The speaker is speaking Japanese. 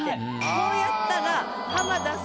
こうやったら。